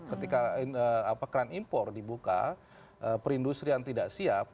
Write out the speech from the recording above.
ketika kran impor dibuka perindustrian tidak siap